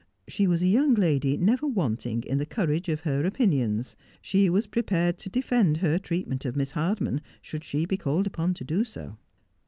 She was a young lady never wanting in the courage of her opinions. She was prepared to defend her treatment of Miss Hardman, should she be called upon to do so.